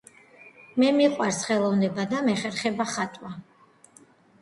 მე მიყვარს ხელოვნება და მეხერხება ხატვა